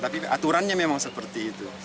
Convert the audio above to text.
tapi aturannya memang seperti itu